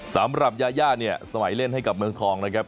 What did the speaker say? สำหรับยาย่าเนี่ยสมัยเล่นให้กับเมืองทองนะครับ